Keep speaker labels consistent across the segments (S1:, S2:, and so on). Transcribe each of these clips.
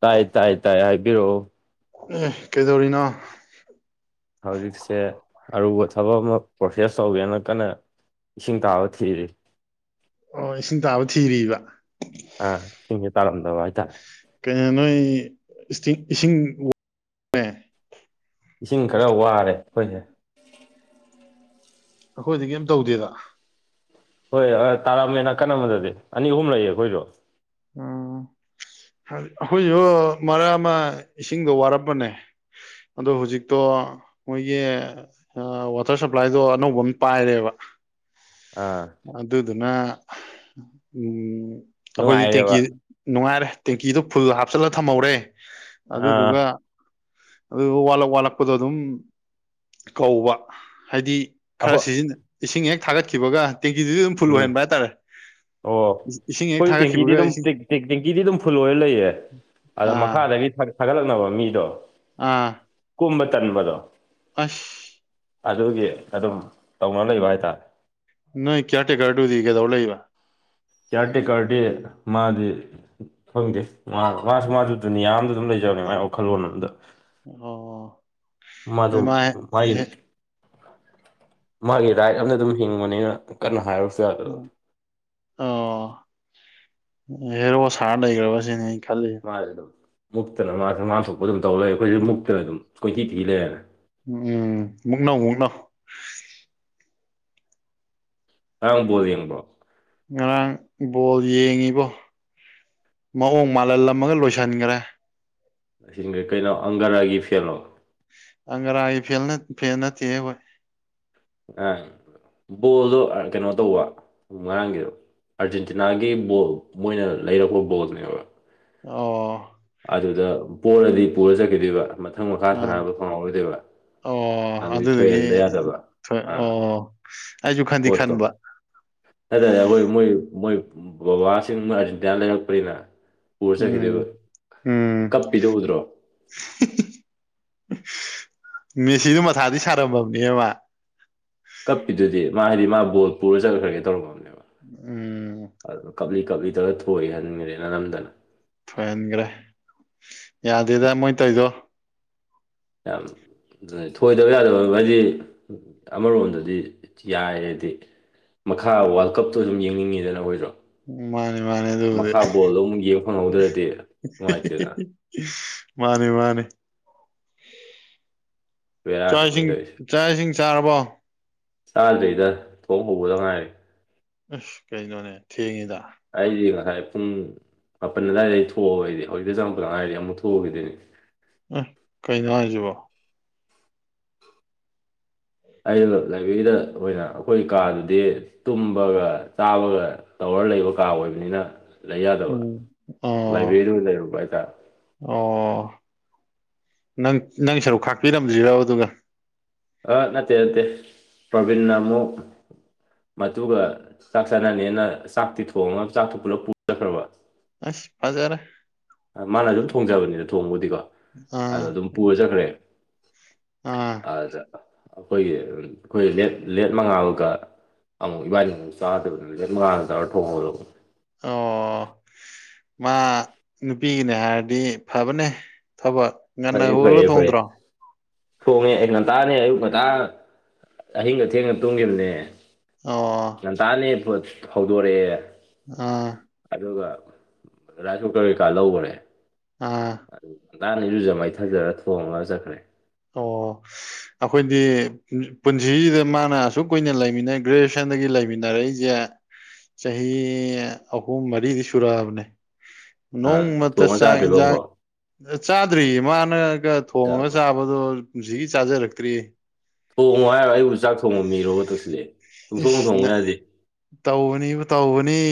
S1: ꯇꯥꯏ ꯇꯥꯏ ꯇꯥꯏ ꯍꯥꯏꯕꯤꯔꯛꯑꯣ
S2: ꯑꯦ ꯀꯩꯗꯧꯔꯤꯅꯣ
S1: ꯍꯧꯖꯤꯛꯁꯦ ꯑꯔꯨꯕ ꯊꯕꯛ ꯑꯃ ꯄ꯭ꯔꯣꯁꯦꯁ ꯇꯧꯒꯦꯅ ꯀꯟꯅ ꯏꯁꯤꯡ ꯇꯥꯕ ꯊꯤꯔꯤ
S2: ꯑꯣ ꯏꯁꯤꯡ ꯇꯥꯕ ꯊꯤꯔꯤꯕ
S1: ꯑ ꯏꯁꯤꯡꯁꯦ ꯇꯥꯔꯝꯗꯕ ꯍꯥꯏꯇꯥꯔꯦ
S2: ꯀꯩꯅꯥ ꯅꯣꯏꯇ ꯏꯁꯇꯤꯡ ꯏꯁꯤꯡ
S1: ꯏꯁꯤꯡ ꯈꯔ ꯋꯥꯔꯦ ꯑꯩꯈꯣꯏꯁꯦ
S2: ꯑꯩꯈꯣꯏꯗꯤ ꯀꯩꯝ ꯇꯧꯗꯦꯗ
S1: ꯍꯣꯏ ꯑꯥ ꯇꯥꯔꯥꯝꯃꯦ ꯅꯥꯀꯟ ꯑꯃꯗꯗꯤ ꯑꯅꯤ ꯑꯍꯨꯝ ꯂꯩꯌꯦ ꯑꯩꯈꯣꯏꯖꯨ
S2: ꯎꯝ ꯑꯩꯈꯣꯏꯁꯨ ꯃꯔꯛ ꯑꯃ ꯏꯁꯤꯡꯗꯣ ꯋꯥꯔꯛꯄꯅꯦ ꯑꯗꯣ ꯍꯧꯖꯤꯛꯇꯣ ꯃꯣꯏꯒꯤ ꯑ ꯋꯥꯇꯔ ꯁꯄ꯭ꯂꯥꯏꯗꯣ ꯑꯅꯧꯕ ꯑꯃ ꯄꯥꯏꯔꯦꯕ
S1: ꯑꯥ
S2: ꯑꯗꯨꯗꯨꯅ ꯑꯩꯈꯣꯏꯗꯤ ꯇꯦꯡꯀꯤ
S1: ꯅꯨꯡꯉꯥꯏꯔꯦꯕ
S2: ꯅꯨꯡꯉꯥꯏꯔꯦ ꯇꯦꯡꯀꯤꯗꫭ ꯐꯨꯜ ꯍꯥꯞꯆꯜꯂ ꯊꯝꯍꯧꯔꯦ
S1: ꯑꯥ
S2: ꯑꯗꯨꯗꯨꯒ ꯑꯗꯨꯗꯨꯒ ꯋꯥꯠꯂꯛ ꯋꯥꯠꯂꯛꯄꯗꯣ ꯑꯗꯨꯝ ꯀꯧꯕ ꯍꯥꯏꯗꯤ ꯈꯔ
S1: ꯑꯍꯣꯏ
S2: ꯁꯤꯖꯤꯟ ꯏꯁꯤꯡ ꯍꯦꯛ ꯊꯥꯒꯠꯈꯤꯕꯒ ꯇꯦꯡꯀꯤꯗꯨꯗꯤ ꯑꯗꯨꯝ ꯐꯨꯜ
S1: ꯎꯝ
S2: ꯑꯣꯏꯍꯟꯕ ꯍꯥꯏꯇꯥꯔꯦ
S1: ꯑꯣ
S2: ꯏꯁꯤꯡ ꯍꯦꯛ
S1: ꯑꯩꯈꯣꯏ ꯇꯦꯡꯀꯤꯗꯤ
S2: ꯊꯥꯒꯠꯈꯤꯕꯒ
S1: ꯑꯗꯨꯝ
S2: ꯏꯁꯤꯡ
S1: ꯇꯦꯡꯀꯤꯗꯤ ꯑꯗꯨꯝ ꯐꯨꯜ ꯑꯣꯏꯔ ꯂꯩꯌꯦ ꯑꯗ
S2: ꯑꯥ
S1: ꯃꯈꯥꯗꯒꯤ ꯊꯒꯠ ꯊꯒꯠꯂꯛꯅꯕ ꯃꯤꯗꯣ
S2: ꯑꯥ
S1: ꯀꯨꯝꯕ ꯇꯟꯕꯗꯣ
S2: ꯑꯁ
S1: ꯑꯗꯨꯒꯤ ꯑꯗꯨꯝ ꯇꯧꯅ ꯂꯩꯕ ꯍꯥꯏꯇꯥꯔꯦ
S2: ꯅꯣꯏ ꯀꯦꯌꯥꯔ ꯇꯦꯀꯔꯗꯨꯗꯤ ꯀꯩꯗꯧ ꯂꯩꯩꯕ
S1: ꯀꯦꯌꯥꯔ ꯇꯦꯀꯔꯗꯤ ꯃꯥꯗꯤ ꯈꯪꯗꯦ ꯃꯥ ꯃꯥꯁꯨ ꯃꯥꯁꯨ ꯗꯨꯅꯤꯌꯥ ꯑꯗ ꯑꯗꯨꯝ ꯂꯩꯖꯕꯅꯦ ꯃꯥꯏ ꯋꯥꯈꯜꯂꯣꯟ ꯑꯝꯗ
S2: ꯑꯣ
S1: ꯃꯗꯨ
S2: ꯑꯗꯨ ꯃꯥ ꯍꯦ
S1: ꯃꯥꯏ
S2: ꯍꯦ
S1: ꯃꯥꯒꯤ ꯔꯥꯏꯠ ꯑꯝꯗ ꯑꯗꯨꯝ ꯍꯤꯡꯕꯅꯤꯅ ꯀꯟꯅ ꯍꯥꯏꯔꯁꯨ
S2: ꯎꯝ ꯑꯣ ꯍꯦꯔꯣ ꯁꯥꯔ ꯂꯩꯈ꯭ꯔꯕꯁꯤꯅꯦ ꯈꯜꯂꯤ
S1: ꯃꯥꯁꯦ ꯑꯗꯨꯝ ꯃꯨꯛꯇꯅ ꯃꯥꯁꯦ ꯃꯥꯝ ꯊꯣꯛꯄ ꯑꯗꯨꯝ ꯇꯧ ꯂꯩꯔꯦ ꯑꯩꯈꯣꯏꯁꯨ ꯃꯨꯛꯇꯅ ꯑꯗꯨꯝ ꯀꯣꯏꯊꯤ ꯊꯤ ꯂꯩꯔꯅ
S2: ꯎꯝ ꯎꯝ ꯃꯨꯛꯅꯧ ꯃꯨꯛꯅꯧ
S1: ꯉꯔꯥꯡ ꯕꯣꯜ ꯌꯦꯡꯕ꯭ꯔꫭ
S2: ꯉꯔꯥꯡ ꯕꯣꯜ ꯌꯦꯡꯉꯤꯕꯣ ꯃꯑꯣꯡ ꯃꯥꯜꯍꯜꯂꯝꯃꯒ ꯂꯣꯏꯁꯤꯟꯈ꯭ꯔꯦ
S1: ꯂꯥꯏꯁꯤꯟꯒ꯭ꯔꯦ ꯀꯩꯅꯣ ꯑꯪꯒꯔꯥꯒꯤ ꯐꯦꯜꯂꯣ
S2: ꯑꯪꯒꯔꯥꯥꯏ ꯐꯦꯜ ꯅ ꯐꯦꯜ ꯅꯠꯇꯦ ꯍꯣꯏ
S1: ꯑ ꯕꯣꯜꯗꯣ ꯀꯩꯅꯣ ꯇꯧꯕ ꯉꯔꯥꯡꯒꯤꯗ ꯑꯥꯔꯖꯦꯟꯇꯤꯅꯥꯒꯤ ꯕꯣꯜ ꯃꯣꯏꯅ ꯂꯩꯔꯛꯄ ꯕꯣꯜꯅꯦꯕ
S2: ꯑꯣ
S1: ꯑꯗꯨꯗ ꯄꯣꯔꯔꯗꯤ ꯄꯨꯔ ꯆꯠꯈꯤꯗꯣꯏꯕ ꯃꯊꯪ ꯃꯈꯥ
S2: ꯑꯥ
S1: ꯁꯥꯅꯕ ꯐꯪꯍꯧꯔꯣꯏꯗꯣꯏꯕ
S2: ꯑꯣ
S1: ꯑꯗꯨꯗꯤ
S2: ꯑꯗꯨꯗꯨꯒꯤ
S1: ꯊꯣꯛꯍꯟꯗ ꯌꯥꯗꯕ ꯑꯥ
S2: ꯑꯣ ꯑꯩꯁꯨ ꯈꯟꯗꯤ ꯈꯟꯕ
S1: ꯍꯥꯏꯇꯥꯔꯦ ꯑꯩꯈꯣꯏ ꯃꯣꯏ ꯃꯣꯏ ꯕꯕꯥꯁꯤꯡ ꯃꯣꯏ ꯑꯥꯔꯖꯦꯟꯇꯤꯅꯥ ꯂꯩꯔꯛꯄꯅꯤꯅ ꯄꯨꯔ
S2: ꯎꯝ
S1: ꯆꯠꯈꯤꯗꯣꯏꯕ
S2: ꯎꯝ
S1: ꯀꯞꯄꯤꯗꯥ ꯎꯗ꯭ꯔꯣ
S2: [unintelligible] ꯃꯦꯁꯤꯗꯨ ꯃꯊꯥꯗꯤ ꯁꯥꯔꯝꯃꯕꯅꯦ ꯃꯥ
S1: ꯀꯞꯄꯤꯗꯨꯗꯤ ꯃꯥ ꯍꯥꯏꯗꯤ ꯃꯥ ꯕꯣꯜ ꯄꯨꯔ ꯆꯠꯂꯈ꯭ꯔꯒꯦ ꯇꯧꯔꯝꯃꯃꯦ
S2: ꯎꯝ
S1: ꯑꯗꯨꯣ ꯀꯞꯂꯤ ꯀꯞꯂꯤ ꯇꯧꯔ ꯊꯣꯛꯏꯍꯟꯈ꯭ꯔꯦꯅ ꯅꯝꯗꯅ
S2: ꯊꯣꯏꯍꯟꯈ꯭ꯔꯦ ꯌꯥꯗꯦꯗ ꯃꯣꯏ ꯇꯧꯗꯣ
S1: ꯊꯣꯏꯗꯕ ꯌꯥꯗꯕ ꯍꯥꯏꯗꯤ ꯑꯃꯔꯣꯝꯗꯗꯤ ꯌꯥꯏꯗꯤ ꯃꯈꯥ ꯋꯥꯔꯜ ꯀꯞꯇꯣ ꯗꯨꯝ ꯌꯦꯡꯅꯤꯡꯉꯤꯗꯅ ꯈꯣꯏꯖꯨ
S2: ꯃꯥꯅꯦ ꯃꯥꯅꯦ ꯑꯗꯨꯕꯨꯗꯤ
S1: ꯌꯦꯡ ꯐꯪꯍꯧꯗ꯭ꯔꯗꯤ ꯅꯨꯡꯉꯥꯏꯇꯦꯗꯅ
S2: [unintelligible] ꯃꯥꯅꯦ ꯃꯥꯅꯦ
S1: ꯕꯦꯔꯥꯅꯤ
S2: ꯆꯥꯛ
S1: ꯃꯣꯏ
S2: ꯏꯁꯤꯡ
S1: ꯇꯧꯔꯤꯁꯦ
S2: ꯆꯥꯛ ꯏꯁꯤꯡ ꯆꯥꯔꯕꯣ
S1: ꯆꯥꯗ꯭ꯔꯤꯗ ꯊꯣꯡ ꯍꯧꯕꯗ ꯉꯥꯏꯔꯤ
S2: ꯑꯁ ꯀꯩꯅꯣꯅꯦ ꯊꯦꯡꯉꯤꯗ
S1: ꯑꯩꯗꯤ ꯉꯁꯥꯏ ꯄꯨꯡ ꯃꯥꯄꯟ ꯑꯗꯨꯋꯥꯏꯗꯩ ꯊꯣꯛꯑꯣꯏꯗꯤ ꯍꯧꯖꯤꯛꯇ ꯆꯪꯨꯛꯇ ꯉꯥꯏꯔꯗꯤ ꯑꯃꯨꯛ ꯊꯣꯛꯎꯈꯤꯗꯣꯏꯅꯤ
S2: ꯎꯝ ꯀꯩꯅꯣ ꯍꯥꯏꯁꯤꯕꯣ
S1: ꯑꯩꯅ ꯂꯥꯏꯕ꯭ꯔꯦꯔꯤꯗ ꯑꯣꯏꯅ ꯑꯩꯈꯣꯏ ꯀꯥꯗꯨꯗꯤ ꯇꯨꯝꯕꯒ ꯆꯥꯕꯒ ꯇꯧꯔ ꯂꯩꯕ ꯀꯥ ꯑꯣꯏꯕꯅꯤꯅ ꯂꯩ ꯌꯥꯗꯕ
S2: ꯎꯝ ꯑꯣ
S1: ꯂꯥꯏꯕ꯭ꯔꯦꯔꯤꯗꯨ ꯑꯣꯏꯅ ꯂꯩꯔꯨꯝꯕ ꯍꯥꯏꯇꯥꯔꯦ
S2: ꯑꯣ ꯅꯪ ꯅꯪ ꯁꯔꯨꯛ ꯈꯥꯛꯄꯤꯔꯝꯗ꯭ꯔꯤꯔꯕ ꯑꯗꯨꯒ
S1: ꯑ ꯅꯠꯇꯦ ꯅꯠꯇꯦ ꯄ꯭ꯔꯣꯕꯤꯟꯅ ꯑꯃꯨꯛ ꯃꯗꯨꯒ ꯆꯥꯛ ꯆꯥꯅꯅꯦꯅ ꯆꯥꯛꯇꯤ ꯊꯣꯡꯉꯒ ꯆꯥꯛꯇꯣ ꯄꯨꯂꯞ ꯄꯨꯔꯈ꯭ꯔꯕ
S2: ꯑꯁ ꯐꯖꯔꯦ
S1: ꯃꯥꯅ ꯑꯗꯨꯝ ꯊꯣꯡꯖꯕꯅꯤꯅ ꯊꯣꯡꯕꯨꯗꯤꯀꯣ ꯑꯗꯣ
S2: ꯑꯥ
S1: ꯑꯗꯨꯝ ꯄꯨꯔ ꯆꯠꯈ꯭ꯔꯦ
S2: ꯑꯥ
S1: ꯑꯗ ꯑꯩꯈꯣꯏꯒꯤ ꯑꯩꯈꯣꯏꯠ ꯂꯦꯠ ꯃꯉꯥꯃꯒ ꯑꯃꯨꯛ ꯏꯕꯥꯅꯤꯃꯨꯛ ꯆꯥꯗꯕꯗ [unintelligible] ꯃꯉꯥꯗ ꯇꯧꯔ ꯊꯣꯡꯕꯗꯨ
S2: ꯑꯣ ꯃꯥ ꯅꯨꯄꯤꯒꯤꯅꯦ ꯍꯥꯏꯔꯗꯤ ꯐꯕꯅꯦ ꯊꯕꯛ ꯉꯟꯅ
S1: ꯐꯩꯌꯦ
S2: ꯍꯧꯒꯠꯂ
S1: ꯐꯌꯦ ꯐꯩꯌꯦ
S2: ꯊꯣꯡꯗ꯭ꯔꯣ
S1: ꯊꯣꯡꯉꯦ ꯑꯩ ꯉꯟꯇꯥꯅꯦ ꯑꯌꯨꯛ ꯉꯟꯇꯥ ꯑꯍꯤꯡꯒ ꯊꯦꯡꯅ ꯇꯣꯡꯈꯤꯕꯅꯦ
S2: ꯑꯣ
S1: ꯉꯟꯇꯥꯅꯦ ꯍꯧꯗꯣꯔꯛꯑꯦ
S2: ꯑꯥ
S1: ꯑꯗꯨꯒ ꯔꯥꯏꯁ ꯀꯨꯀꯔ ꯀꯩꯀꯥ ꯂꯈꯔꯦ
S2: ꯑꯥ
S1: ꯑꯗꯨ ꯀꯥꯟꯅꯤꯔꯨꯖ ꯃꯥꯏꯊꯥꯖꯔꯒ ꯊꯣꯡꯉꯒ ꯆꯠꯈ꯭ꯔꯦ
S2: ꯑꯣ ꯑꯩꯈꯣꯏꯗꯤ ꯄꯨꯟꯁꯤꯁꯤꯗ ꯃꯥꯅ ꯑꯁꯨꯛ ꯀꯨꯏꯅ ꯂꯩꯃꯤꯟꯅꯩ ꯒ꯭ꯔꯦꯖꯨꯋꯦꯁꯟꯗꯒꯤ ꯂꯩꯃꯤꯟꯅꯔꯛꯏ ꯆꯍꯤ ꯑꯍꯨꯝ ꯃꯔꯤꯗꯤ ꯁꯨꯔꯛꯑꯕꯅꯦ
S1: ꯑꯥ
S2: ꯅꯣꯡꯃꯇ
S1: ꯊꯣꯡꯉ
S2: ꯆꯥꯛ
S1: ꯆꯥꯗ꯭ꯔꯤꯕ
S2: ꯏꯟꯁꯥꯡ
S1: ꯑꯃꯨꯛꯐꯥꯎ
S2: ꯆꯥꯗ꯭ꯔꯤꯌꯦ ꯃꯥꯅꯒ ꯊꯣꯡꯉꯒ ꯆꯥꯕ ꯑꯗꯣ ꯁꯤꯒꯤ ꯆꯥꯖꯔꯛꯇ꯭ꯔꯤꯌꯦ
S1: ꯊꯣꯡꯉꯣ ꯍꯥꯏꯔꯒ ꯑꯩꯕꯨ ꯆꯥꯛ ꯊꯣꯡꯕ ꯃꯤꯔꯒ ꯇꯧꯁꯜꯂꯛꯑꯦ
S2: ꯏꯁ ꯅ ꯇꯧꯕꯅꯤꯕꯨ ꯇꯧꯕꯅꯤ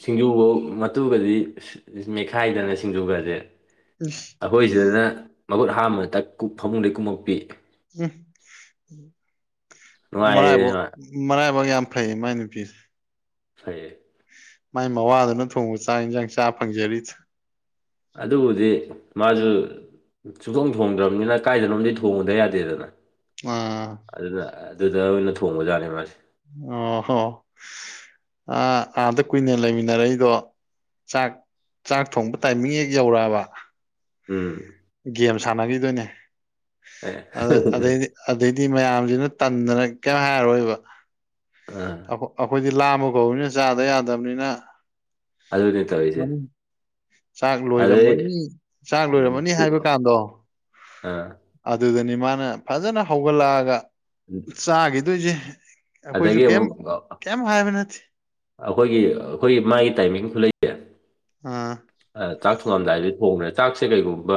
S1: ꯁꯤꯡꯖꯨꯐꯧ ꯃꯇꯨꯒꯗꯤ ꯃꯦꯠꯈꯥꯏꯗꯅ ꯁꯤꯡꯖꯨꯒꯁꯦ
S2: [unintelligible]
S1: ꯑꯩꯈꯣꯏ ꯁꯤꯗꯅ ꯃꯈꯨꯠ ꯍꯥꯝꯕ ꯐꯃꯨꯡꯗꯩ ꯀꯨꯝꯃꯛꯄꯤ
S2: ꯃꯥꯏꯕꯣ
S1: ꯅꯨꯡꯉꯥꯏꯔꯦꯅ
S2: ꯃꯔꯥꯏꯕꯛ ꯌꯥꯝ ꯐꯩ ꯃꯥꯏ ꯅꯨꯄꯤꯗꯣ
S1: ꯐꯩꯌꯦ
S2: ꯃꯥꯏ ꯃꯋꯥꯗꯨꯅ ꯊꯣꯡꯕ ꯆꯥꯛ ꯌꯦꯟꯁꯥꯡ ꯆꯥ ꯐꯪꯖꯔꯤ
S1: ꯑꯗꯨꯕꯨꯗꯤ ꯃꯥꯁꯨ ꯁꯨꯆꯣꯡ ꯊꯣꯡꯗ꯭ꯔꯕꯅꯤꯅ ꯀꯥꯏꯗꯅꯕꯝꯗꯤ ꯊꯣꯡꯉꯨꯗ ꯌꯥꯗꯦꯗꯅ
S2: ꯎꯝ
S1: ꯑꯗꯨꯅ ꯑꯗꯨꯗ ꯑꯣꯏꯅ ꯊꯣꯡꯕꯖꯥꯠꯅꯦ ꯃꯥꯁꯦ
S2: ꯑꯣ ꯍꯣ ꯑꯥꯗ ꯀꯨꯏꯅ ꯂꯩꯃꯤꯟꯅꯔꯛꯏꯗꯣ ꯆꯥꯛ ꯆꯥꯛ ꯊꯣꯡꯕ ꯇꯥꯏꯃꯤꯡ ꯍꯦꯛ ꯌꯧꯔꯛꯑꯕ
S1: ꯎꯝ
S2: ꯒꯦꯝ ꯁꯥꯟꯅꯈꯤꯗꯣꯏꯅꯦ
S1: ꯑꯦ
S2: ꯑꯗꯩꯗꯤ ꯑꯗꯩꯗꯤ ꯃꯌꯥꯝꯁꯤꯅ ꯇꯟꯗꯅ ꯀꯩ ꯍꯥꯏꯔꯔꯣꯏꯕ
S1: ꯇ
S2: ꯑꯩꯈꯣꯏꯗꯤ ꯂꯥꯃ ꯀꯧꯕꯧꯅꯤꯅ ꯆꯥꯗ ꯌꯥꯗꯕꯅꯤꯅ
S1: ꯑꯗꯨꯅꯦ ꯇꯧꯔꯤꯁꯦ
S2: ꯆꯥꯛ
S1: ꯑꯗꯩ
S2: ꯂꯣꯏꯔꯝꯃꯅꯤ ꯆꯥꯛ
S1: ꯎꯝ
S2: ꯂꯣꯏꯔꯝꯃꯅꯤ
S1: ꯄꯨ
S2: ꯍꯥꯏꯕ ꯀꯥꯟꯗꯣ
S1: ꯑꯥ
S2: ꯑꯗꯨꯗꯅꯤ ꯃꯥꯅ ꯐꯖꯅ ꯍꯧꯒꯠꯂꯛꯑꯒ
S1: ꯎꯝ
S2: ꯆꯥꯈꯤꯗꯣꯏꯁꯦ ꯑꯩꯈꯣꯏꯁꯨ
S1: ꯑꯗꯒꯤ
S2: ꯀꯩꯝ
S1: ꯑꯃꯨꯛ
S2: ꯀꯩꯝ ꯍꯥꯏꯕ ꯅꯠꯇꯦ
S1: ꯑꯩꯈꯣꯏꯒꯤ ꯑꯩꯈꯣꯏꯒꯤ ꯃꯥꯒꯤ ꯇꯥꯏꯃꯤꯡꯁꯨ ꯂꯩ
S2: ꯎꯥ
S1: ꯆꯥꯛ ꯊꯣꯡꯉꯝꯗꯥꯏꯗꯤ ꯊꯣꯡꯕ꯭ꯔꯦ ꯆꯥꯛꯁꯦ ꯀꯩꯒꯨꯝꯕ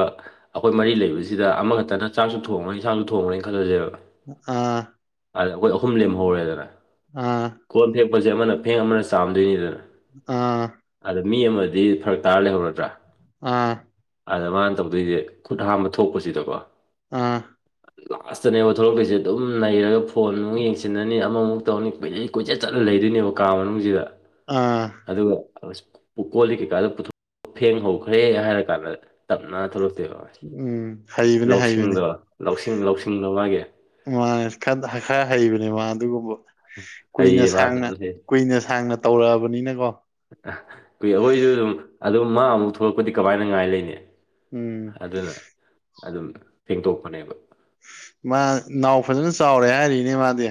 S1: ꯑꯩꯈꯣꯏ ꯃꯔꯤ ꯂꯩꯕꯁꯤꯗ ꯑꯃꯈꯛꯇꯅ ꯆꯥꯛꯁꯨ ꯊꯣꯡꯉ꯭ꯔꯅꯤ ꯌꯦꯟꯁꯥꯡꯁꯨ ꯊꯣꯡꯉ꯭ꯔꯦꯅ ꯈꯜꯂꯁꯦꯕ
S2: ꯑꯥ
S1: ꯑꯗ ꯑꯩꯈꯣꯏ ꯑꯍꯨꯝ ꯂꯦꯝꯍꯧꯔꯦꯗꯅ
S2: ꯎꯝ
S1: ꯀꯣꯟ ꯐꯦꯛꯄꯁꯦ ꯑꯃꯅ ꯐꯦꯡ ꯑꯃꯅ ꯆꯥꯝꯗꯣꯏꯅꯤꯗꯅ
S2: ꯑꯥ
S1: ꯑꯗ ꯃꯤ ꯑꯃꯗꯤ ꯐꯔꯛ ꯇꯥꯔ ꯂꯩꯍꯧꯔꯗ꯭ꯔꯥ
S2: ꯑꯥ
S1: ꯑꯗ ꯃꯥꯅ ꯇꯧꯗꯣꯏꯁꯦ ꯈꯨꯠ ꯍꯥꯝꯕ ꯊꯣꯛꯄꯁꯤꯗꯀꯣ
S2: ꯑꯥ
S1: ꯂꯥꯁꯇꯅꯦꯕ ꯊꯂꯛꯄꯁꯦ ꯑꯗꯨꯝ ꯅꯩꯔꯒ ꯐꯣꯟ ꯑꯃꯨꯛ ꯌꯦꯡꯁꯤꯟꯅꯅꯤ ꯑꯃꯃꯨꯛ ꯇꯧꯔꯅꯤ ꯀꯨꯏꯂꯩ ꯀꯨꯣꯏꯆꯠ ꯆꯠꯂ ꯂꯩꯗꯣꯏꯅꯦꯕ ꯀꯥ ꯃꯅꯨꯡꯁꯤꯗ
S2: ꯑꯥ
S1: ꯑꯗꯨꯒ ꯑ ꯀꯣꯜꯂꯤ ꯀꯩꯀꯥꯗꯊꯣꯛ ꯐꯦꯡꯍꯧꯈ꯭ꯔꯦ ꯍꯥꯏꯔ ꯀꯥꯟꯗ ꯇꯞꯅ ꯊꯣꯛꯂꯛꯇꯦꯕ
S2: ꯎꯝ ꯍꯩꯕꯅꯦ
S1: ꯂꯧꯁꯤꯡꯗꯣ
S2: ꯍꯩꯕꯅꯦ
S1: ꯂꯧꯁꯤꯡ ꯂꯧꯁꯤꯡꯗꯣ ꯃꯥꯒꯤ
S2: ꯃꯥ ꯈꯔ ꯍꯩꯕꯅꯦ ꯃꯥ ꯑꯗꯨꯒꯨꯝꯕ
S1: ꯍꯩꯌꯦ
S2: ꯀꯨꯏꯅ
S1: ꯃꯥ
S2: ꯁꯥꯡꯅ
S1: ꯐꯖꯅ ꯍꯩ
S2: ꯀꯨꯏꯅ ꯁꯥꯡꯅ ꯇꯧꯔꯛꯑꯕꯅꯤꯅꯀꯣ
S1: ꯀꯨꯏ ꯑꯩꯈꯣꯏꯁꯨ ꯑꯗꯨꯝ ꯑꯗꯨꯝ ꯃꯥ ꯑꯃꯨꯛ ꯊꯣꯛꯂꯛꯄꯗꯤ ꯀꯃꯥꯏꯅ ꯉꯥꯏ ꯂꯩꯅꯤ
S2: ꯎꯝ
S1: ꯑꯗꯨꯅ ꯑꯗꯨꯝ ꯐꯦꯡꯗꯣꯛꯄꯅꯦꯕ
S2: ꯃꯥ ꯅꯥꯎ ꯐꯖꯅ ꯆꯥꯎꯔꯦ ꯍꯥꯏꯔꯤꯅꯦ ꯃꯥꯗꯤ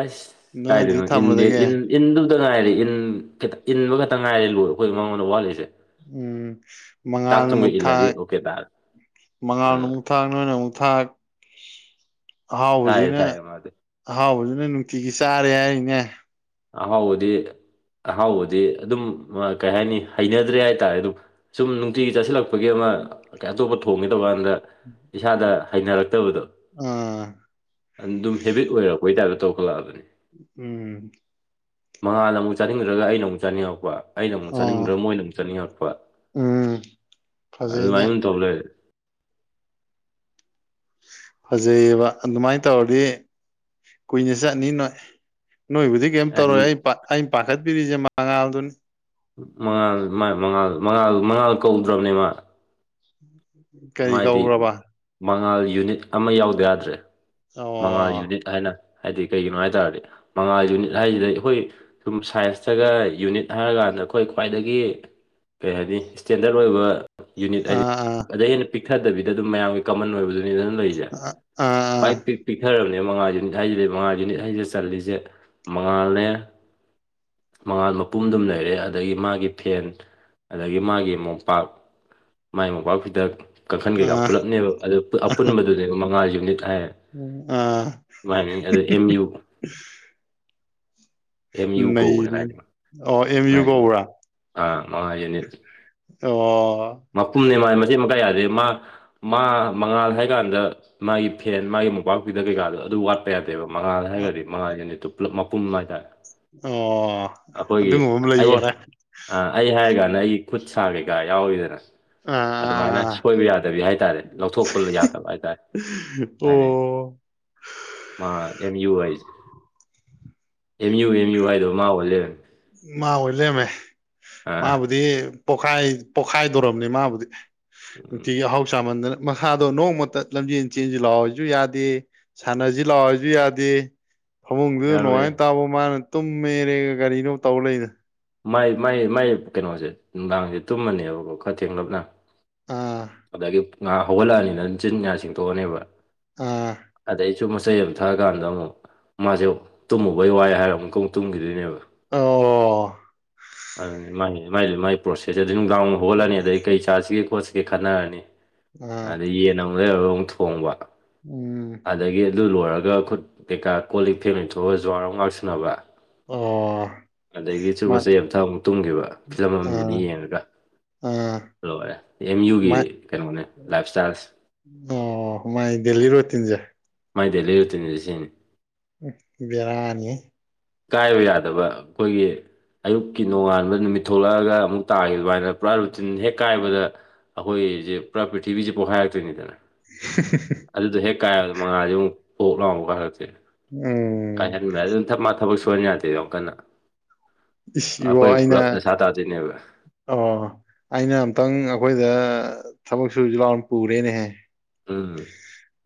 S1: ꯑꯁ
S2: ꯅꯣꯏ ꯑꯗꯨ
S1: ꯀꯥꯏꯗꯅꯣ ꯏꯟꯗꯤ
S2: ꯊꯝꯕꯗꯒꯤ
S1: ꯏꯟ ꯏꯟꯗꯨꯇ ꯉꯥꯏꯔꯦ ꯏꯟ ꯈꯤꯇ ꯏꯟꯕ ꯈꯛꯇ ꯉꯥꯏꯔꯦ ꯂꯣꯏ ꯑꯩꯈꯣꯏ ꯃꯉꯣꯟꯗ ꯋꯥꯠꯂꯛꯏꯁꯦ
S2: ꯎꯝ ꯃꯉꯥꯜꯅ ꯑꯃꯨꯛ
S1: ꯏꯜꯂꯗꯤ
S2: ꯊꯥꯏ
S1: ꯑꯣꯀꯦ ꯇꯥꯔꯦ
S2: ꯃꯉꯥꯜ
S1: ꯎꯝ
S2: ꯅꯃꯨꯛ ꯊꯥꯛ ꯅꯣꯏꯅ ꯑꯃꯨꯛ ꯊꯥꯛ
S1: ꯊꯥꯏꯌꯦ
S2: ꯑꯍꯥꯎꯕꯁꯤꯅ
S1: ꯊꯥꯏꯌꯦ ꯃꯥꯗꯤ
S2: ꯑꯍꯥꯎꯕꯗꯨꯅ ꯅꯨꯡꯇꯤꯒꯤ ꯆꯥꯔꯦ ꯍꯥꯏꯔꯤꯅꯦ
S1: ꯑꯍꯥꯎꯕꯗꯤ ꯑꯍꯥꯎꯕꯗꯤ ꯑꯗꯨꯝ ꯀꯩ ꯍꯥꯏꯅꯤ ꯍꯩꯅꯗ꯭ꯔꯦ ꯍꯥꯏꯇꯥꯔꯦ ꯑꯗꯨꯝ ꯁꯨꯝ ꯅꯨꯡꯇꯤꯒꯤ ꯆꯥꯁꯤꯜꯂꯛꯄꯒꯤ ꯑꯃ ꯀ ꯑꯇꯣꯞꯄ ꯊꯣꯡꯒꯗꯕ ꯗ ꯏꯁꯥꯗ ꯍꯩꯅꯔꯛꯇꯕꯗꯣ
S2: ꯑ
S1: ꯑꯗꯨꯝ ꯍꯦꯕꯤꯠ ꯑꯣꯏꯔꯛꯄꯒꯤ ꯇꯥꯏꯞꯇ ꯇꯧꯈꯠꯂꯛꯑꯕꯅꯤ
S2: ꯎꯝ
S1: ꯃꯉꯥꯗ ꯑꯃꯨꯛ ꯆꯥꯅꯤꯡꯗ꯭ꯔꯒ ꯑꯩꯅ ꯑꯃꯨꯛ ꯆꯥꯅꯤꯡꯉꯛꯄ ꯑꯩꯅ ꯑꯃꯨꯛ
S2: ꯑꯣ
S1: ꯆꯥꯅꯤꯡꯗ꯭ꯔꯥ ꯃꯣꯏꯗ ꯑꯃꯨꯛ ꯆꯠꯅꯤꯡꯉꯛꯄ
S2: ꯎꯝ ꯐꯖꯩꯅꯦ
S1: ꯑꯗꯨꯃꯥꯏꯅ ꯑꯃ ꯇꯧꯕ ꯂꯩꯔꯦ
S2: ꯐꯖꯩꯌꯦꯕ ꯑꯗꯨꯃꯥꯏꯅ ꯇꯧꯔꯗꯤ ꯀꯨꯏꯅ ꯆꯠꯅꯤ ꯅꯣꯏ ꯅꯣꯏꯕꯨꯗꯤ ꯀꯩꯝ
S1: ꯑꯦ
S2: ꯇꯧꯔꯣꯏ ꯑꯩ ꯑꯩꯅ ꯄꯥꯈꯠꯄꯤꯔꯤꯁꯦ ꯃꯉꯥꯜꯗꯨꯅꯤ
S1: ꯃꯉꯥꯜ ꯃꯉꯥꯜ ꯃꯉꯥꯜ ꯃꯉꯥꯜ ꯀꯧꯗ꯭ꯔꯕꯅꯦ ꯃꯥ
S2: ꯎꯝ
S1: ꯃꯥꯗꯤ ꯃꯉꯥꯜ ꯌꯨꯅꯤꯠ ꯑꯃ ꯌꯥꯎꯗ ꯌꯥꯗ꯭ꯔꯦ
S2: ꯑꯣ
S1: ꯃꯉꯥꯜ ꯌꯨꯅꯤꯠ ꯍꯥꯏꯅ ꯍꯥꯏꯗꯤ ꯀꯩꯒꯤꯅꯣ ꯍꯥꯏ ꯇꯥꯔꯗꯤ ꯃꯉꯥꯜ ꯌꯨꯅꯤꯠ ꯍꯥꯏꯁꯤꯗ ꯑꯩꯈꯣꯏ ꯁꯨꯝ ꯁꯥꯏꯟꯁꯇꯒ ꯌꯨꯅꯤꯠ ꯍꯥꯏꯔꯀꯥꯟꯗ ꯑꯩꯈꯣꯏ ꯈ꯭ꯋꯥꯏꯗꯒꯤ ꯀꯩ ꯍꯥꯏꯅꯤ ꯏꯁꯇꯦꯟꯗꯔꯠ ꯑꯣꯏꯕ ꯌꯨꯅꯤꯠ ꯍꯥꯏꯗꯤ
S2: ꯑꯥ ꯑꯥ
S1: ꯑꯗꯩ ꯍꯦꯟꯅ ꯄꯤꯛꯊꯗꯕꯤꯗ ꯑꯗꯨꯝ ꯃꯌꯥꯝꯒꯤ ꯀꯃꯟ ꯑꯣꯏꯕꯗꯨꯅꯤ ꯑꯗꯨꯅ ꯂꯩꯁꯦ
S2: ꯑꯥ
S1: ꯈ꯭ꯋꯥꯏ ꯄꯤꯛ ꯄꯤꯛꯊꯔꯕꯅꯦ ꯃꯉꯥ ꯌꯨꯅꯤꯠ ꯍꯥꯏꯁꯤꯗꯤ ꯃꯉꯥ ꯌꯨꯅꯤꯠ ꯍꯥꯏꯁꯤꯦ ꯆꯜꯂꯤꯂꯤꯁꯦ ꯃꯉꯥꯜꯅꯦ ꯃꯉꯥꯜ ꯃꯄꯨꯝꯗꯨꯝ ꯂꯩꯔꯦ ꯑꯗꯒꯤ ꯃꯥꯒꯤ ꯐꯦꯟ ꯑꯗꯒꯤ ꯃꯥꯒꯤ ꯃꯣꯝꯄꯥꯛ ꯃꯥꯒꯤ ꯃꯣꯝꯄꯥꯛ ꯐ ꯗ ꯀꯥꯡꯈꯟ ꯀꯩꯀꯥ
S2: ꯑꯥ
S1: ꯄꯨꯂꯞꯅꯦꯕ ꯑ ꯑꯄꯨꯟꯕꯗꯨꯅꯦꯕ ꯃꯉꯥ ꯌꯨꯅꯤꯠ ꯍꯥꯏ
S2: ꯑꯥ
S1: ꯃꯥꯏ ꯃꯃꯤꯡ ꯑꯗꯨ ꯑꯦꯝ ꯌꯨ [inaudible] ꯑꯦꯝ ꯌꯨ ꯀꯧꯕꯅꯦ
S2: ꯅꯩꯔꯤ
S1: ꯍꯥꯏꯔꯤꯅ
S2: ꯑꯣ ꯑꯦꯝ ꯌꯨ ꯀꯧꯕ꯭ꯔꯥ
S1: ꯑꯥ ꯃꯉꯥꯖꯅꯤ
S2: ꯑꯣ
S1: ꯃꯄꯨꯝꯅꯦ ꯃꯥꯥꯏ ꯃꯆꯦꯠ ꯃꯀꯥꯏ ꯌꯥꯗꯦ ꯃꯥ ꯃꯥ ꯃꯉꯥꯜ ꯍꯥꯏꯀꯥꯟꯗ ꯃꯥꯒꯤ ꯐꯦꯟ ꯃꯥꯒꯤ ꯃꯣꯄꯥꯛꯄꯤꯗ ꯀꯩꯀꯥꯗꯣ ꯑꯗꯨ ꯋꯥꯠꯄ ꯀꯌꯥ ꯌꯥꯗꯦꯕ ꯃꯉꯥꯗ ꯍꯥꯏꯔꯒꯗꯤ ꯃꯉꯥꯁꯤꯅꯤꯠꯇ ꯄꯨꯂꯞ ꯃꯄꯨꯝ ꯍꯥꯏꯇꯥꯔꯦ
S2: ꯑꯣ
S1: ꯑꯩꯈꯣꯏꯒꯤ
S2: ꯑꯗꯨꯒꯨꯝꯕ ꯑꯃ
S1: ꯑꯩ
S2: ꯂꯩꯕꯣꯔꯦ
S1: ꯑꯥ ꯑꯩ ꯍꯥꯏꯔ ꯀꯥꯟꯗ ꯑꯩꯒꯤ ꯈꯨꯠ ꯁꯥ ꯀꯩꯀꯥ ꯌꯥꯎꯔꯤꯗꯅ ꯑꯗꯨꯃꯥꯏꯅ
S2: ꯑꯥ
S1: ꯁꯣꯏꯕ ꯌꯥꯗꯕꯤ ꯍꯥꯏꯇꯥꯔꯦ ꯂꯧꯊꯣꯛꯄꯂ ꯌꯥꯗꯕ ꯍꯥꯏꯇꯥꯔꯦ ꯍꯥꯏꯅꯤ
S2: ꯑꯣ
S1: ꯃꯥ ꯑꯦꯝ ꯌꯨ ꯋꯥꯏꯁꯦ ꯑꯦꯝ ꯌꯨ ꯑꯦꯝ ꯌꯨ ꯋꯥꯏꯗꯣ ꯃꯥ ꯑꯣꯏ ꯂꯩꯔꯝꯃꯦ
S2: ꯃꯥ ꯍ ꯂꯦꯝꯃꯦ
S1: ꯑꯥ
S2: ꯃꯥꯕꯨꯗꯤ ꯄꯣꯛꯈꯥꯏ ꯄꯣꯛꯈꯥꯏꯗꯧꯣꯔꯝꯅꯤ ꯃꯥꯕꯨꯗꯤ
S1: ꯎꯝ
S2: ꯅꯨꯡꯇꯤꯒꯤ ꯑꯍꯥꯎ ꯆꯥꯃꯟꯗꯅ ꯃꯁꯥꯗꯣ ꯅꯣꯡꯃꯇ ꯂꯝꯖꯦꯟ ꯆꯦꯟꯁꯤ ꯂꯥꯛꯑꯣꯁꯨ ꯌꯥꯗꯦ ꯁꯥꯟꯅꯁꯤ ꯂꯥꯛꯑꯣꯁꯨ ꯌꯥꯗꯦ ꯐꯃꯨꯡꯗꯨ ꯅꯨꯡꯉꯥꯏ ꯅꯨꯃꯤꯠ
S1: ꯌꯥꯔꯣꯏꯌꯦ
S2: ꯇꯥꯕ ꯃꯥꯅ ꯇꯨꯝꯃꯦꯔꯦꯒ ꯀꯔꯤꯅꯣ ꯇꯧ ꯂꯩ
S1: ꯃꯥꯏ ꯃꯥꯏ ꯃꯥꯏ ꯀꯩꯅꯣꯁꯦ ꯅꯨꯡꯗꯥꯡꯁꯦ ꯇꯨꯝꯃꯅꯦꯕꯀꯣ ꯈꯔ ꯊꯦꯡꯂꯞꯅ
S2: ꯑꯥ
S1: ꯑꯗꯒꯤ ꯉꯥ ꯍꯧꯒꯠꯂꯛꯑꯅꯤꯅ ꯆꯤꯟ ꯌꯥ ꯁꯦꯡꯇꯣꯛꯑꯅꯦꯕ
S2: ꯑꯥ
S1: ꯑꯗꯩ ꯆꯨꯔꯨꯞ ꯃꯆꯩ ꯑꯃ ꯊꯛꯑꯀꯥꯟꯗ ꯑꯃꯨꯛ ꯃꯥꯁꯦ ꯇꯨꯝꯃꯨꯕꯩ ꯋꯥꯏ ꯍꯥꯏꯔ ꯑꯃꯨꯛꯀ ꯑꯃꯨꯛ ꯇꯨꯝꯈꯤꯗꯣꯏꯅꯦꯕ
S2: ꯑꯣ
S1: ꯑꯗꯨꯅꯦ ꯃꯥ ꯃꯥꯏꯗꯤ ꯃꯥꯒꯤ ꯄ꯭ꯔꯣꯁꯦꯁꯁꯦ ꯑꯗꯩꯏ ꯅꯨꯡꯗꯥꯡ ꯋꯥꯏꯔꯝ ꯍꯧꯒꯠꯂꯅꯤ ꯑꯗꯩ ꯀꯩ ꯆꯥꯁꯤꯒꯦ ꯈꯣꯠꯁꯤꯒꯦ ꯈꯟꯅꯔꯅꯤ
S2: ꯑꯥ
S1: ꯑꯗꯩꯏ ꯌꯦꯟ ꯑꯃꯨꯛ ꯂꯩꯔꯨꯔꯒ ꯊꯣꯡꯕ
S2: ꯎꯝ
S1: ꯑꯗꯥꯒꯤ ꯑꯗꯨ ꯂꯣꯏꯔꯒ ꯈꯨꯠ ꯀꯩꯀꯥ ꯀꯣꯜ ꯂꯤꯛ ꯐꯦꯡ ꯂꫭꯏꯊꯣꯛꯑꯒ ꯖꯨꯋꯥꯔ ꯑꯃꯨꯛ ꯉꯥꯏꯍꯥꯛ ꯁꯟꯅꯕ
S2: ꯑꯣ
S1: ꯑꯗꯥꯒꯤ ꯆꯨꯔꯨꯞ
S2: ꯃꯥ
S1: ꯃꯆꯩ ꯑꯃ ꯊꯥꯛꯑꯒ ꯇꯨꯝꯈꯤꯕ ꯐꯤꯂꯝ ꯑꯃꯥ ꯑꯃꯅꯤ
S2: ꯑꯥ
S1: ꯌꯦꯡꯉꯒ
S2: ꯑꯥ
S1: ꯂꯣꯏꯔꯦ ꯑꯦꯝ ꯌꯨꯒꯤ
S2: ꯃꯥꯏ
S1: ꯀꯩꯅꯣꯅꯦ ꯂꯥꯏꯞꯁ꯭ꯇꯥꯏꯜꯁꯦ
S2: ꯑꯣ ꯃꯥꯏ ꯗꯦꯜ ꯂꯤꯔ ꯔꯨꯇꯤꯟ ꯖꯦ
S1: ꯃꯥꯏ ꯗꯦꯜ ꯂꯤꯔ ꯔꯨꯇꯤꯟꯖꯦ ꯁꯤꯅꯤ
S2: ꯎꯝ ꯕꯤꯔꯥꯅꯤꯍꯦ
S1: ꯀꯥꯏꯕ ꯌꯥꯗꯕ ꯑꯩꯈꯣꯏꯒꯤ ꯑꯌꯨꯛꯀꯤ ꯅꯣꯡꯉꯥꯟꯕ ꯅꯨꯃꯤꯠ ꯊꯣꯛꯂꯛꯑꯒ ꯑꯃꯨꯛ ꯇꯥꯈꯤꯕ ꯑꯗꯨꯃꯥꯏꯅ ꯄꯨꯔꯥ ꯔꯨꯇꯤꯟ ꯍꯦꯛ ꯀꯥꯏꯕꯗ ꯑꯩꯈꯣꯏꯁꯦ ꯄꯨꯔꯥ ꯄ꯭ꯔꯤꯊꯤꯕꯤꯁꯦ ꯄꯣꯛꯈꯥꯏꯔꯛꯇꯣꯏꯅꯤꯗꯅ
S2: [inaudible]
S1: ꯑꯗꯨꯗꯣ ꯍꯦꯛ ꯀꯥꯏꯔꯗ ꯃꯉꯥꯁꯤ ꯑꯃꯨꯛ ꯄꯣꯛ ꯂꯥꯎ ꯀꯥꯏꯍꯥꯟꯂꯛꯇꯨꯏꯅꯦ
S2: ꯎꯝ
S1: ꯀꯥꯏꯍꯟꯕ ꯑꯗꯨꯝ [unintelligible] ꯊꯕꯛ ꯁꯨꯍꯟ ꯌꯥꯗꯦ ꯌꯥꯝ ꯀꯟꯅ
S2: ꯏꯁ ꯏꯕꯣ
S1: ꯑꯩꯈꯣꯏ
S2: ꯑꯩꯅ
S1: ꯄꯨꯂꯞ ꯗꯁꯥ ꯇꯥꯗꯣꯏꯅꯦꯕ
S2: ꯑꯣ ꯑꯩꯅ ꯑꯝꯇꯪ ꯑꯩꯈꯣꯏꯗ ꯊꯕꯛ ꯁꯨꯁꯨ ꯂꯥꯎ ꯄꯨꯔꯦꯅꯦꯍꯦ
S1: ꯎꯝ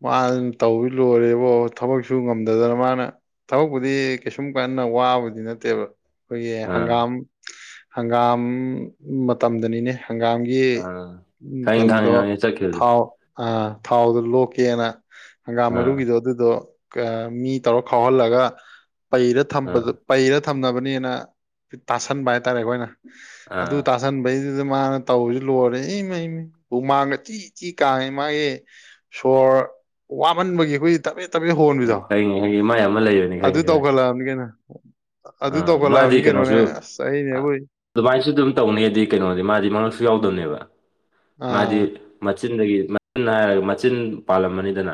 S2: ꯃꯥꯅ ꯇꯧꯕꯁꯦ ꯂꯣꯏꯔꯦꯕꯣ ꯊꯕꯛꯁꯨ ꯉꯝꯗꯗꯅ ꯃꯥꯅ ꯊꯕꯛꯄꯨꯗꯤ ꯀꯩꯁꯨꯝ ꯀꯟꯅ ꯋꯥꯕꯗꯤ ꯅꯠꯇꯦꯕ ꯑꯩꯈꯣꯏꯒꯤ
S1: ꯑꯥ
S2: ꯍꯪꯒꯥꯝ ꯍꯪꯒꯥꯝ ꯃꯇꯝꯗꯅꯤꯅꯦ ꯍꯪꯒꯥꯝ ꯒꯤ
S1: ꯑꯥ ꯈꯪꯉꯤ
S2: ꯀꯩꯅꯣꯗꯣ
S1: ꯈꯪꯉꯤ ꯈꯪꯉꯤ ꯆꯠꯈꯤꯕꯗꯣ
S2: ꯊꯥꯎ ꯑ ꯊꯥꯎꯗꯣ ꯂꯣꯛꯀꯦꯅ ꯍꯪꯒꯥꯝ
S1: ꯑꯥ
S2: ꯃꯔꯨꯒꯤꯗꯣ ꯑꯗꯨꯗꯣ ꯃꯤ ꯇꯧꯔ ꯈꯥꯎꯍꯜꯂꯒ ꯄꯩꯔ ꯊ
S1: ꯑꯥ
S2: ꯄꯩꯔ ꯊꯝꯅꯕꯅꯦꯅ ꯇꯥꯁꯟꯕ ꯍꯥꯏꯇꯥꯔꯦ ꯑꯩꯈꯣꯏꯅ ꯑꯗꯨ
S1: ꯑꯥ
S2: ꯇꯥ ꯇꯥꯁꯟꯕꯩꯗꯨꯗ ꯃꯥꯅ ꯇꯧꯕꯁꯤ ꯂꯣꯏꯔꯦ ꯏꯃꯩ ꯃꯩ ꯍꯨꯃꯥꯡꯒ ꯆꯤ ꯆꯤ ꯀꯉꯦ ꯃꯥꯒꯤ ꯁꯣꯔ ꯋꯥꯃꯟꯕꯒꯤ ꯑꯩꯈꯣꯏꯒꯤ ꯇꯞꯕꯦꯠ ꯇꯞꯕꯦꯠ ꯍꯣꯟꯕꯤꯗꯣ
S1: ꯈꯪꯉꯤ ꯈꯪꯉꯤ ꯃꯥꯏ ꯑꯃ ꯂꯩꯕꯅꯤ
S2: ꯑꯗꯨ
S1: ꯈꯪꯉꯤ ꯈꯪꯉꯤ
S2: ꯇꯧꯈꯠꯂꯛꯑꯕꯅꯤ ꯀꯩꯅ ꯑꯗꯨ
S1: ꯑꯥ
S2: ꯇꯧꯈꯠꯂꯛꯑꯕꯅꯤ
S1: ꯃꯥꯗꯤ
S2: ꯀꯩꯅꯣꯅꯦ
S1: ꯀꯩꯅꯣꯁꯨ
S2: ꯑꯁ [unintelligible]
S1: ꯑꯗꯨꯃꯥꯏꯅꯁꯨ ꯑꯗꯨꯝ ꯇꯧꯅꯤꯗꯤ ꯀꯩꯅꯣꯗꯤ ꯃꯥꯗꯤ ꯃꯉꯛꯁꯨ ꯌꯥꯎꯗꯕꯅꯦꯕ ꯃꯥꯗꯤ
S2: ꯑꯥ
S1: ꯃꯆꯤꯟꯗꯒꯤ ꯃꯆꯤꯟ ꯍꯥꯏꯔꯒ ꯃꯆꯤꯟ ꯄꯥꯜꯂꯝꯃꯅꯤꯗꯅ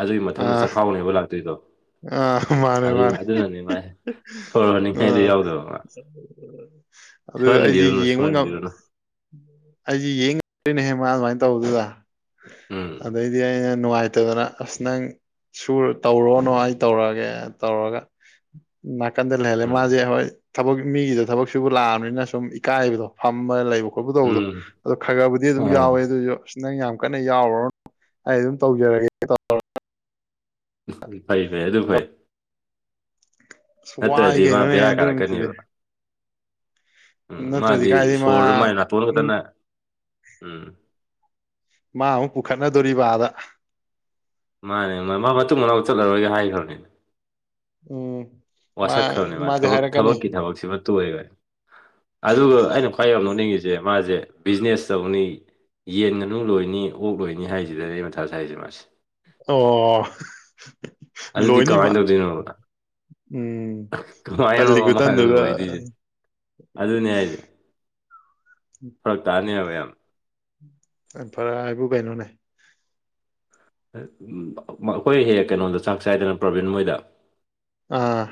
S1: ꯑꯗꯨꯒꯤ ꯃꯊꯪꯗ
S2: ꯑꯥ
S1: ꯆꯈꯥꯎꯅꯦꯕ ꯂꯥꯛꯇꯣꯏꯗꯣ
S2: ꯑꯥ ꯃꯥꯅꯦ
S1: ꯑꯗꯨ
S2: ꯃꯥꯅꯦ
S1: ꯑꯗꯨꯅꯅꯦ ꯃꯥꯏ ꯁꯣꯔ ꯍꯣꯟꯅꯤꯡꯉꯥꯏꯗꯣ
S2: ꯑꯥ
S1: ꯌꯥꯎꯗꯕ ꯃꯥ
S2: ꯑꯗꯨ ꯑꯩꯁꯦ
S1: ꯁꯣꯏꯍꯟꯕꯤꯔꯨꯅꯨ
S2: ꯌꯦꯡꯕ ꯉꯥꯝ
S1: ꯁꯣꯏꯍꯟꯕꯤꯔꯨꯅꯨ
S2: ꯑꯩꯁꯤ ꯌꯦꯡ ꯉꯥꯝꯗꯦꯅꯦꯍꯦ ꯃꯥ ꯑꯗꯨꯃꯥꯏꯅ ꯇꯧꯕꯗꯨꯗ
S1: ꯎꯝ
S2: ꯑꯗꯩꯗꯤ ꯑꯩꯅ ꯅꯨꯡꯉꯥꯏꯇꯗꯅ ꯑꯁ ꯅꯪ ꯁꯨꯔ ꯇꯧꯔꯣꯅꯣ ꯑꯩ ꯇꯧꯔꯛꯒꯦ ꯇꯧꯔꯒ ꯅꯥꯀꯟꯗꯥ ꯂꯩꯍꯥꯜꯂꯦ
S1: ꯎꯝ
S2: ꯃꯥꯁꯦ ꯍꯣꯏ ꯊꯕꯛ ꯃꯤꯒꯤꯗ ꯊꯕꯛ ꯁꯨꯕꯨ ꯂꯥꯛꯑꯕꯅꯤꯅ ꯁꯨꯝ ꯏꯀꯥꯏꯕꯗꯣ ꯐꯝꯕ ꯂꯩꯕ ꯈꯣꯠꯄ ꯇꯧꯕꯗꯣ
S1: ꯎꯝ
S2: ꯑꯗꯣ ꯈꯥꯛ ꯈꯥꯛꯕꯨꯗꯤ ꯑꯗꯨꯝ
S1: ꯎꯝ
S2: ꯌꯥꯎꯋꯦ ꯑꯗꯨꯁꯨ ꯑꯁ ꯅꯪ ꯌꯥꯝ ꯀꯟꯅ ꯌꯥꯎꯔꯨꯔꯅꯨ ꯑꯩ ꯑꯗꯨꯝ ꯇꯧꯖꯔꯒꯦ [unintelligible]
S1: ꯎꯝ ꯐꯩ ꯐꯩ ꯑꯗꯨ ꯐꯩ
S2: ꯑꯁ ꯋꯥꯏ
S1: ꯅꯠꯇ꯭ꯔꯗꯤ ꯃꯥ
S2: ꯀꯩꯅꯣꯅꯦ
S1: ꯕꯦꯔꯥ
S2: ꯑꯗꯨ ꯅꯨꯃꯤꯠꯇꯨꯗꯤ
S1: ꯀꯥꯔꯛꯀꯅꯦꯕ ꯎꯝ
S2: ꯅꯠꯇ꯭ꯔꯗꯤ
S1: ꯃꯥꯗꯤ
S2: ꯀꯥꯏꯗꯩ
S1: ꯁꯣꯔꯗꫭ
S2: ꯃꯥ
S1: ꯃꯥꯏ ꯅꯥꯇꯣꯟ ꯈꯛꯇꯅ ꯎꯝ
S2: ꯃꯥ ꯑꯃꯨꯛ ꯄꯨꯈꯠꯅꯗꯣꯔꯤꯕ ꯑꯥꯗ
S1: ꯃꯥꯅꯦ ꯃꯥ ꯃꯥ ꯃꯇꯨꯡ ꯃꯅꯥꯎ ꯆꯠꯂꯔꯣꯏꯒꯦ ꯍꯥꯏꯈ꯭ꯔꯕꯅꯤꯅꯦ
S2: ꯎꯝ ꯃꯥ
S1: ꯋꯥꯁꯛꯈ꯭ꯔꯕꯅꯦ ꯃꯥ
S2: ꯃꯥꯗꯤ
S1: ꯊꯕꯛ
S2: ꯍꯥꯏꯔꯛꯀꯅꯤ
S1: ꯊꯕꯛꯀꯤ ꯊꯕꯛꯁꯤꯃ ꯇꯨꯔꯅꯤ ꯑꯗꯨꯒ ꯑꯩꯅ ꯈ꯭ꯋꯥꯏ ꯌꯥꯝ ꯅꯣꯛꯅꯤꯡꯉꯤꯁꯦ ꯃꯥꯁꯦ ꯕꯤꯖꯤꯅꯦꯁ ꯇꯧꯅꯤ ꯌꯦꯟ ꯉꯥꯅꯨ ꯂꯣꯏꯅꯤ ꯑꯣꯛ ꯂꯣꯏꯅꯤ ꯍꯥꯏꯁꯤꯗꯅꯅꯦ ꯑꯩ ꯃꯊꯥ ꯁꯥꯏꯁꯦ ꯃꯥꯁꯤ
S2: ꯑꯣ
S1: ꯑꯗꯨꯗꯤ ꯀꯃꯥꯏꯅ
S2: ꯂꯣꯏꯅꯤꯃꯛ
S1: ꯇꯧꯗꯣꯏꯅꯣꯕꯗ
S2: ꯎꯝ
S1: ꯀꯃꯥꯏꯅ
S2: ꯇꯜꯂꯤ
S1: ꯃꯥꯅꯦ
S2: ꯈꯨꯇꯟꯗꯨꯒ
S1: ꯑꯣꯏꯣꯏꯗꯤ ꯑꯗꯨꯅꯦ ꯍꯥꯏꯁꯦ ꯐꯔꯛ ꯇꯥꯅꯦꯕ ꯌꯥꯝ
S2: ꯐꯔꯦ ꯍꯥꯏꯕꯨ ꯀꯩꯅꯣꯅꯦ
S1: ꯑꯩꯈꯣꯏ ꯍꯦꯛ ꯀꯩꯅꯣꯗ ꯆꯥꯛ ꯆꯥꯏꯗꯅ ꯄ꯭ꯔꯣꯕ꯭ꯂꯦꯝ ꯃꯣꯏꯗ
S2: ꯑꯥ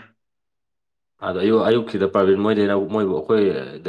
S1: ꯑꯗꯣ ꯑꯌꯨꯛ ꯑꯌꯨꯛꯁꯤꯗ ꯄ꯭ꯔꯥꯕꯤꯟ ꯃꯣꯏꯗꯩꯅ ꯃꯣꯏꯕꯨ ꯑꯩꯈꯣꯏꯗꯩꯅ